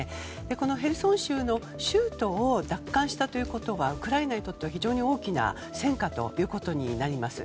このヘルソン州の州都を奪還したということはウクライナにとっては非常に大きな戦果ということになります。